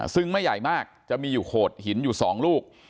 ซึ่งไม่ใหญ่มากจะมีอยู่โขดหินอยู่๒ลูก